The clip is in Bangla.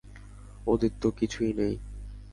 ওদের তো কিছুই নেই।